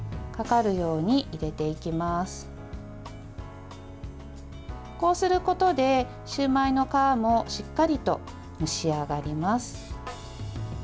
こうすることでシューマイの皮もしっかりと蒸し上がります。